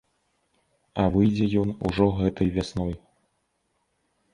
А выйдзе ён ужо гэтай вясной.